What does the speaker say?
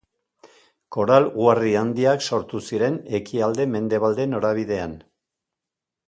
Koral uharri handiak sortu ziren ekialde-mendebalde norabidean.